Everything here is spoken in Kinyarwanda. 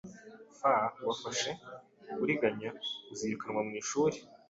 f wafashwe uriganya, uzirukanwa mwishuri